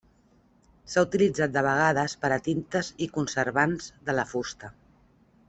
S'ha utilitzat de vegades per a tintes i conservants de la fusta.